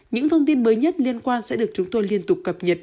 những thông tin mới nhất liên quan sẽ được chúng tôi liên tục cập nhật